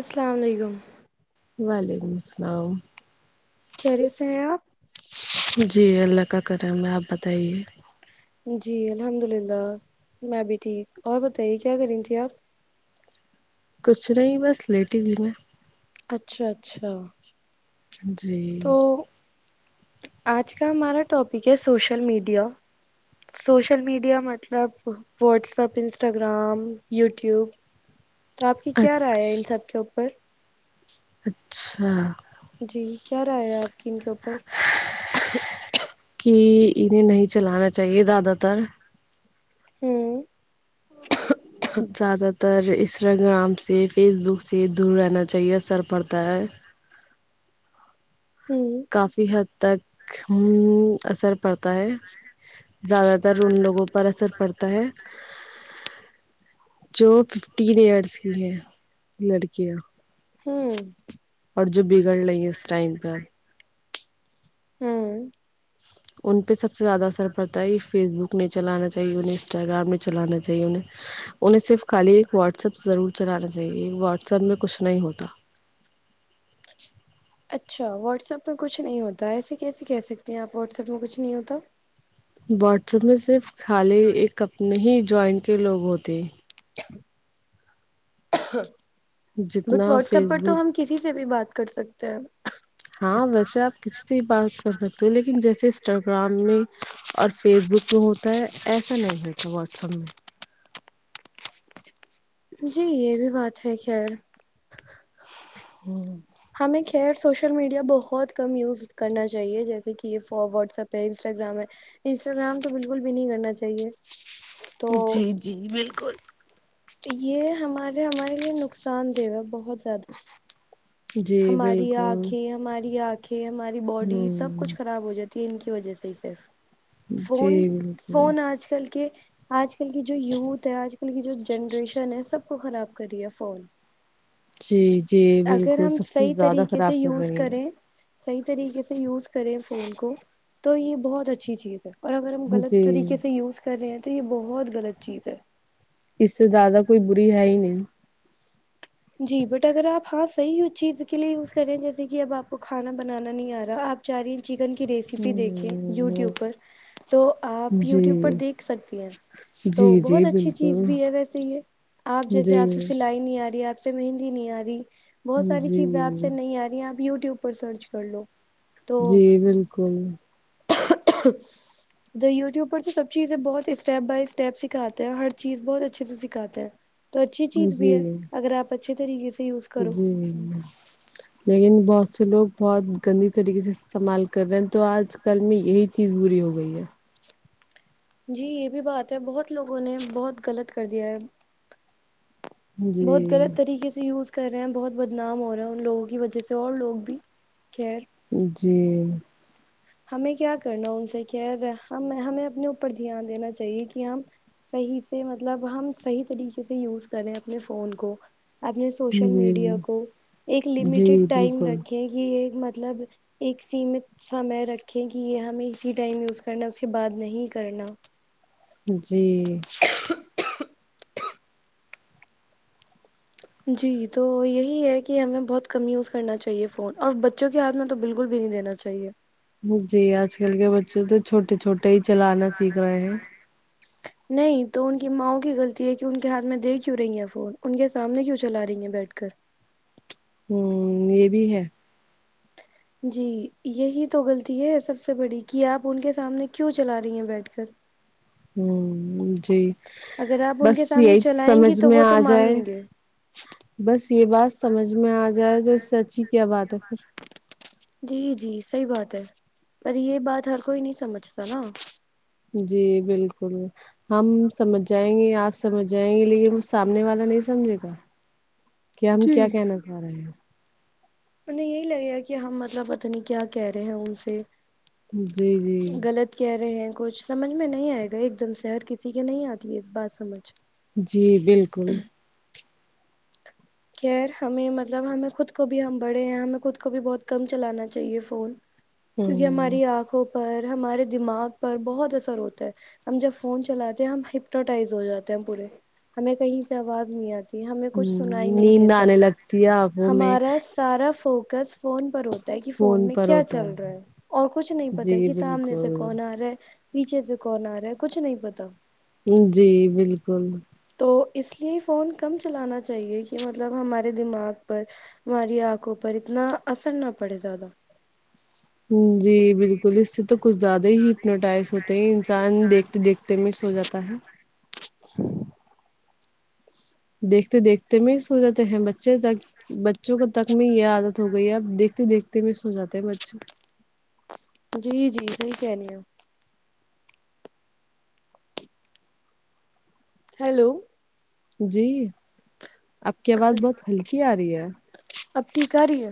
السلام علیکم وعلیکم السلام کہہ رے سےے ہیں آپ جی اللہ کا کر میں آپ بتائیے جی الحمد للہ میں بھی ٹھیک اور بتائیے کیا کری تھی آپ کچھ نہیں بس لیٹی ہی ت میں اچھا اچھا جی تو آج کا ہمارا ٹاپک ہے سوشل میڈیا سوشل میڈیا مطلب واٹس اپ انسٹاگرام یوٹیوب تو آپ کی کیا رائے ہے ان اچ سب کے اوپر اچھا جی کیا رہاائے ہے آپ کن کے اوپر کہ انہیں نہیں چلانا چاہیے زیادہ تر ہوں زیادہ تر اس انسٹاگرام سے فیس بک سے دور رہنا چاہیے اثر پڑتا ہے ہوں کافی حد تک اثر پڑتا ہے زیادہ تر ان لوگوں پر اثر پڑتا ہے جو ففٹیین ایڈ بس کی ہے الڑک ہوں اور جو بگڑ رہی ہے اس ٹائم پہ ھمم ان پہ سب سے زیادہ اثر پڑتا ہے یہ فیس بک ن چلانا چاہیے ان انسٹا گارم میں چلانا چاہیے انہیں صرف خالی ایک واٹسپ ضرور چلانا چاہیے واٹس ایپ میں کچھ نہیں ہوتا اچھا واٹسپ پہ کچھ نہیں ہوتا ایسے کیسے کہہ سکتے ہیں آپ واٹسپ میں کچھ نہیں ہوتا واٹسپ میں صرف خالی ایک کپ نہیں جوائنٹ کے لوگ ہوتے ہ [unintelligible] بٹ جتنا واٹس ایپ فیس پر تو ہم بک کسی سے بھی بات کر سکتے ہیں ہاں ویسے آپ کسی سے ہی بات کر سکتے ہو لیکن جیسے انسٹاگرام میں اور فیس بک میں ہوتا ہے ایسا نہیں ہوتا واٹسپ میں جی یہ بھی بات ہے خیر ھمم ہمیں خیر سوشل میڈیا بہت کم یوز کرنا چاہیے جیسے کہ یہ واٹسپ ہے انسٹاگرام ہے انسٹاگرام تو بالکل بھی نہیں کرنا چاہیے تو جی جی بالکل یہ ہمارے ہمارے لیے نقصان دہوا بہت زد جی ہماری بالکل آنکھیں ہماری آنکھیں کہ ہماری باڈی سب ہوں کچھ خراب ہو جاتی تین کی وجہ سے ہی صرف جی فون بالکل فون آج کل کے آج کل کی جو یوتھ ہے آج کل کی جو جنریشن ہے سب کو خراب کرییا فون جی جی اگر بالکل ہم سب سے صحیح زیادہ طریقے سے خراب کر یوز رہی ہے کریں صحیح طریقے سے یوز کریں فون کو تو یہ بہت اچھی چیز ہے اور اگر ہم غلط جی طریقے سے یوز کر رہے ہیں تو یہ بہت غلط چیز ہے اس سے زیادہ کوئی بری ہے ہی نہیں جی بٹ اگر آپ ہاں صی چیز کے لیے یوز کریں جیسے کہ اب آپ کو کھانا بنانا نہیں آ رہا آپ چاہ رہی ہیں چکن کی ریسیپی دیکھیں ہ یوٹیوب پر تو آپ یوٹیوب پر جی دیکھ سکتی ہیں تو جی بہت جی اچھی چیز بالکل بھی ہے ویسے یہ آپ جیسے جی آپ سے سلائی نہیں آ رہی آپ اس سے مہندی نہیں آ رہی بہت ساری جی چیزیں آپ سے نہیں آ رہی ہیں یوٹیوب پر سرچ کر لو تو جی بالکل ج یوٹیوب پر تو سب چیزیں بہت اسٹیپ بائی اسٹیپ سکھاتے ہیں ہر چیز بہت اچھے سے سکھاتے ہیں تو اچھی چیز بھی جی ہے اگر آپ اچھے طریقے سے یوز کرو جی لیکن بس سے لوگ بہت گندی طریقے سے استعمال کر رہے ہیں تو آج کل میں یہی چیز بری ہو گئی ہے جی یہ بھی بات ہے بہت لوگوں نے بہت غلط کر دیا ہے بہت جی غلط طریقے سے یوز کر رہے ہیں بہت بدنام ہو رہا ہے ان لوگوں کی وجہ سے اور لوگ بھی خیر جی ہمیں کیا کرنا ان سے کہ ہم ہمیں اپنے اوپر دھیان دینا چاہیے کہ ہم صحیح سے مطلب ہم صحیح طریقے سے یوز کریں اپنے فون کو اپنے سوشل جی میڈیا کو ایک لمیٹیڈ جی ٹائم بالکل رکھے یہ مطلب ایک سیمت سمے ره رکھیں کہ یہ ہمیں اسی ٹائم یوز کرنا اس کے بعد نہیں کرنا جی جی تو یہی ہے کہ ہمیں بہت کم یوز کرنا چاہیے فون اور بچوں کے ہاتھ میں تو بالکل بھی نہیں دینا چاہیے ہوں جی آج کل کے بچے تو چھوٹے چھوٹے ہی چلانا سیکھ رہے ہیں نہیں تو ان کی ماؤں کی غلطی ہے کہ ان کے ہاتھ میں دے کیوں رہیں ہے فون ان کے سامنے کیوں چلا رہی ہیں بیٹھ کر ہوں یہ بھی ہے جی یہی تو غلطی ہے سب سے بڑی کہ آپ ان کے سامنے کیوں چلا رہی ہیں بیٹھ کر ہوں جی اگر آپ ان بس کے سامنے یہی چلائیں گی سمجھ تو میں وہ تو آ جائے مانگیں گے بس یہ بات سمجھ میں آ جائے تو سے سچی کیا بات ہے پھر صحی بات ہے پر یہ بات ہر کوئی نہیں سمجھتا نا جی بالکل ہم سمجھ جائیں گے آپ سمجھ جائیں گے لیکن مھ سامنے والا نہیں سمجھے گا کیا ہم کیا کہنا چاہ رہے ہیں انہی یہی لے لیا کہ ہم مطلب پتہ نہیں کیا کہہ رہے ہیں ان سے جی جی غلط کہہ رہے ہیں کچھ سمجھ میں نہیں آئے گا ایک دم سے ہر کسی کے نہیں آتی ہے اس بات سمجھ جی بالکل خیر ہمیں مطلب ہمیں خود کو بھی ہم بڑے ہیں ہمیں خود کو بھی بہت کم چلانا چاہیے فون ہ کیوکی ہ ہماری آنکھوں پر ہمارے دماغ پر بہت اثر ہوتا ہے ہم جب فون چلاتے ہم ہپٹٹائز ہو جاتے ہیں پورے ہمیں کہیں سے آواز نہیں آتی ہمیں کچھ سنائی نہیں نیند دیتا آنے لگتی ہے آنکھوں میں ہمارا سارا فوکس فون پر ہوتا کہ فون میں کیا چل رہا ہے اور کچھ نہیں پتا جی کہ سامنے سے بالکل کون آ رہا ہے پیچھے سے کون آ رہا ہے کچھ نہیں پتا جی بالکل تو اس لیے فون کم چلانا چاہیے کہ مطلب ہمارے دماغ پر ہماری آنکھوں پر اتنا اثر نہ پڑے زیادہ جی بالکل اس سے تو کچھ زیادہ ہی ہنٹائز ہوتے ہیں انسان دیکھتے دیکھتے میں سو جاتا ہے ہ [unintelligible] دیکھتے دیکھتے میں سو جاتے ہیں بچے ب تک بچوں کو تک میں یہ عادت ہو گئی ہے اب دیکھتے دیکھتے [unintelligible] ت میں سو جاتے مچھے [unintelligible] جی جی صحی کہنے ہیں ہیلو جی آپ کی آواز بہت ہلکی آ رہی ہے اب ٹھیک آ رہی ہے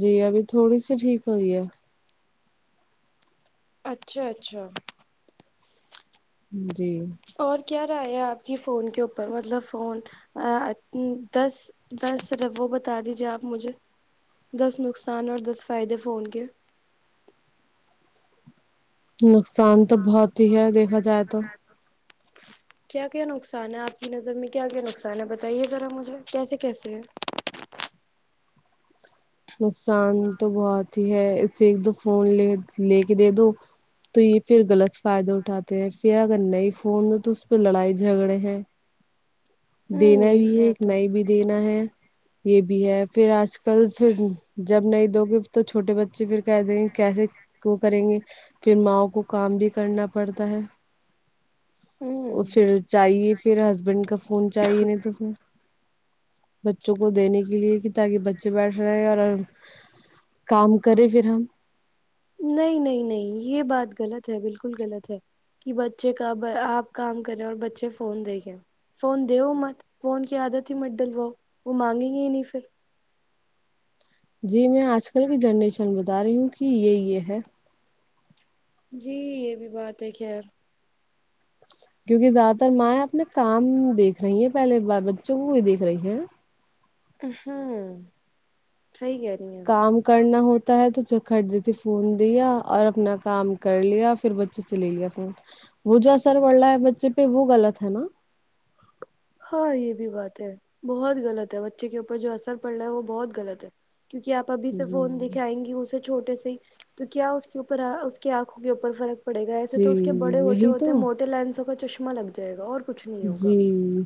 جی ابھی تھوڑی سی ٹھیک ہوئی ہے اچھا اچھا ہوں جی اور کیا رائے ہے آپ کی فون کے اوپر مطلب فون دس دسر وہ بتا دیجیے آپ مجھے دس نقصان اور دس فائدے فون کے نقصان تو بہت ہی ہے دیکھا جائے تو کیا کیا نقصان ہے آپ کی نظر میں کیا کیا نقصان ہے بتائیے ذرا مجھے کیسے کیسے ہے نقصان تو بہت ہی ہےے ایک دو فون لے لے کے دے دو تو یہ پھر غلط فائدہ اٹھاتے ہیں پھر اگر نئی فون دو تو اس پہ لڑائی جھگڑے ہیں ہوں دینا یہ بھی ہے ایک بات نہیں بھی دینا ہے یہ بھی ہے پھر آج کل پھر جب نہیں دو گے تو چھوٹے بچے پھر کہ دیں گے کیسے وہ کریں گے پھر ماںؤ کو کام بھی کرنا پڑتا ہے وہ ہوں پھر چاہے پھر ہسبینڈ کا کوونچاہیے نہیں تو ت بچوں کو دینے کے لیے کہ تاکہ بچے بیٹھ رہے ہیں اور کام کرے پھر ہم نہیں نہیں نہیں یہ بات غلط ہے بالکل غلط ہے کہ بچے کا آپ کام کریں اور بچے فون دیکھیں فون د ہو مت فون کی عادت ہی م ڈل و وہ مانگیں گے ہی نہیں پھر جی میں آج کل کی جنریشن بتا رہی ہوں کہ یہ یہ ہے جی یہ بھی بات ہے خیر کیونکہ زیادہ تر مائیں اپنے کام دیکھ رہی ہیں پہلے بچوں کو بھی دیکھ رہی ہے ہوں صحیح کہہ رہی ہیں کام کرنا ہوتا ہوتا ہے تو چکھٹ جتی فون دیا اور اپنا کام کر لیا پھر بچے سے لے لیا فون وہ جو اثر پڑ رہا ہے بچے پہ وہ غلط ہے نا ہاں یہ بھی بات ہے بہت غلط ہے بچے کے اوپر جو اثر پڑ رہا ہے وہ بہت غلط ہے کیونکہ آپ ابھی سے فون دکھ آئیں گی اسے چھوٹے سے ہی تو کیا اس کے اوپر اس کی آنکھوں کے اوپر فرق پڑے گا ایسے جی تو اس کے بڑے ہوتے یہی ہوتے تو ہیں موٹے لینسوں کا چشم لگ جائے گا اور کچھ نہیں جی۔ ہوگا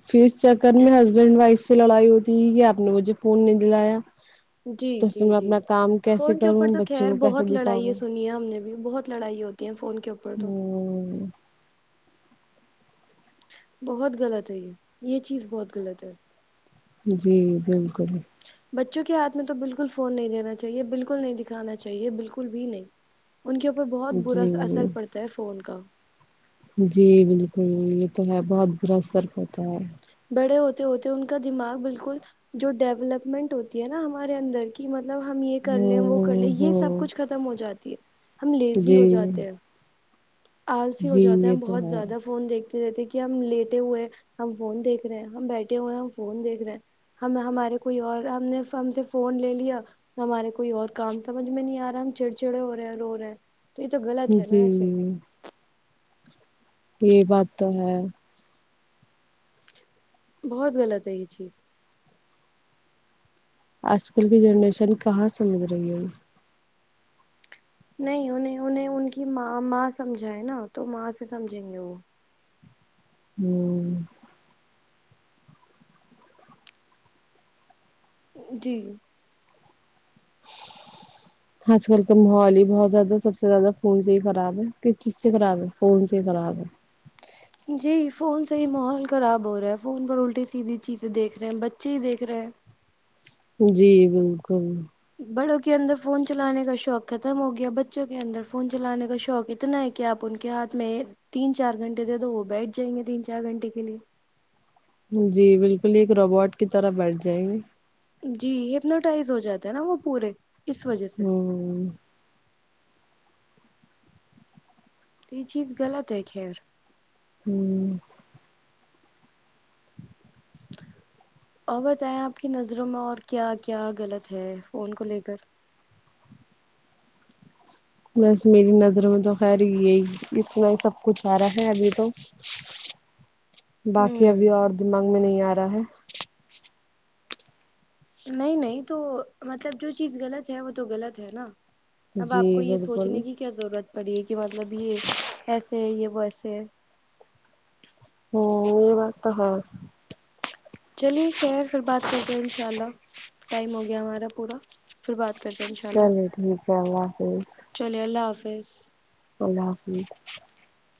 پھر اس چکر میں ہسبینڈ وائف میں لڑای۔ اپ نے مجھے فون نہیں دلایا۔ جی تو جی پھر میں جی اپنا کام کیسے فون کے اوپر کروں تو بچوں خیر کو کیسے بہت لڑائیں دکھاؤں سنی ہیں ہم نے بھی بہت لڑائی ہوتی ہیں فون کے اوپر تو۔ ہ بہت غلط ہے یہ یہ چیز بہت غلط ہے۔ جی بلکل۔ بچوں کے ہاتھ میں تو بالکل فون نہیں دینا چاہیے بالکل نہیں دکھانا چاہیے بالکل بھی نہیں۔ ان کے اوپر بہت برا جی اثر پڑتا ہے فون کا۔ جی بالکل یہ تو ہے بہت۔ اثر پڑتا ہے۔ بڑے ہوتے ہوتے ان کا دماغ بالکل جو ڈیولپمنٹ ہوتی ہے نا ہمارے اندر کی مطلب۔ مطلب ہم یہ کر لیں وہ کر لیں ہوں یہ سب ہوں کچھ ختم ہو جاتی ہے۔ ہم لیزی جی ہو جاتے ہیں۔ آلسی ہو جی جاتا ہے یہ ہم تو بہت زیادہ فون دیکھتے۔ رہتے کہ ہم لیٹے ہوئے ہم فون دیکھ رہے ہیں ہم بیٹھے ہوئے ہیں ہم فون دیکھ رہے ہیں ہم ہمارے کوئی اور ہم نے ہم سے فون لے لیا ہمارے کوئی اور کام سمجھ میں نہیں آ رہا ہم چڑ چڑ ہو رہے ہیں رو رہے ہیں۔ تو یہ تو غلط ہے نا جی ایسے۔ یہ بات تو ہے۔ بہت غلط ہے یہ چیز۔ آج کل کی جنریشن کہاں سمجھ رہی ہے۔ نہیں انہیں انہیں ان کی ماں ماں سمجھاائے نا تو ماں سے سمجھیں گے وہ۔ ہوں۔ جی۔ آج کل تو ماحول ہی بہت زیادہ سب سے زیادہ فون سے ہی خراب ہے کس چیز سے خراب ہے فون سے ہی خراب ہے۔ جی فون سے ہی ماحول خراب ہو رہا ہے فون پر الٹی سیدھی چیزیں دیکھ رہے ہیں بچے ہی دیکھ رہے ہیں۔ جی بالکل۔ بڑوں کے اندر فون چلانے کا شوق ختم ہو گیا بچوں کے اندر فون چلانے کا شوق اتنا ہے کہ آپ ان کے ہاتھ میں تین چار گھنٹے دے دو وہ بیٹھ جائیں گے تین چار گھنٹے کے لیے۔ جی بالکل ایک روبوٹ کی طرح بیٹھ جائےیں گے۔ جی ہپنوٹائز ہو جاتا ہے نا وہ پورے۔ اس وجہ سے ہوں۔ یہ چز غلط ہے خیر۔ ہوں۔ اور بتائیں آپ کی نظروں میں اور کیا کیا غلط ہے فون کو لے کر۔ بس میری نظروں میں تو خیر یہی اتنا ہی سب کچھ رہا ہے۔ ہے ابھی تو باقی ہوں ابھی اور دماغ میں نہیں آ رہا ہے۔ نہیں نہیں تو مطلب جو چیز غلط ہے وہ تو غلط ہے نا۔ اب آپ کو جی یہ بالکل سوچنے کی کیا ضرورت پڑی ہے کہ مطلب یہ ایس۔ [unintelligible] ہوں یہ بات تو ہے۔ چلیے خیر پھر بات کرتے ہیں ان شاء اللہ ٹائم ہو گیا ہمارا پورا پھر بات۔ کرتے ہیں انشاء اللہ چلیے ٹھیک ہے اللہ حافظ بس اللہ حافظ